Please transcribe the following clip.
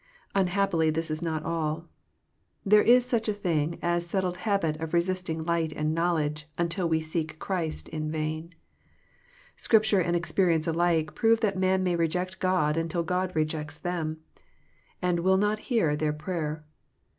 Unhappily this is not all. There is such a thing as a settled habit of resisting light and knowledge, until we seek Christ ^^ in vain." Scripture and experience alike prove that men may reject God until God^ejects them, and will not hear their prayer.